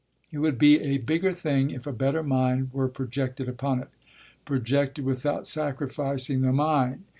It would be a bigger thing if a better mind were projected upon it projected without sacrificing the mind.